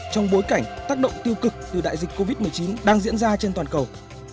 trong bối cảnh tác động tiêu cực từ đại dịch covid một mươi chín đang diễn ra trên toàn cầu